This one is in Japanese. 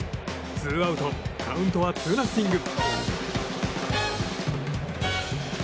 ツーアウト、カウントはツーナッシング。